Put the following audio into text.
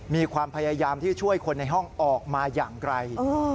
มีความพยายามที่ช่วยคนในห้องออกมาอย่างไกล